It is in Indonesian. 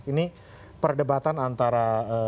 ini perdebatan antara